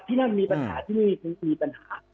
ที่นั่นมีปัญหาที่นี่มีปัญหา